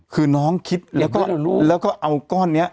คือน้องคิดแล้วก็เอาก้อนนี้